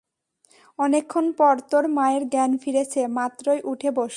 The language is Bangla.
অনেকক্ষণ পর তোর মায়ের জ্ঞান ফিরেছে মাত্রই উঠে বসলো।